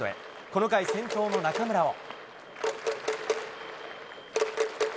この回、先頭の中村を。